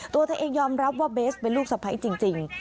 ตัวเธอเองยอมรับว่าเบสเป็นลูกสะพ้ายจริง